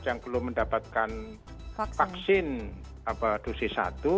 yang belum mendapatkan vaksin dosis satu